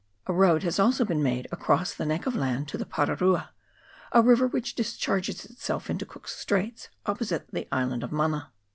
A road has also been made across the neck of land to the Pararua, a river which discharges itself into Cook's Straits opposite the island of Mana.